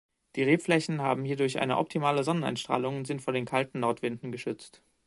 Die Rebflächen haben hierdurch eine optimale Sonneneinstrahlung und sind vor den kalten Nordwinden geschützt.